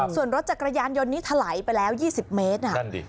ส่วนรถจักรยานยนต์นี้ถลายไปแล้ว๒๐เมตร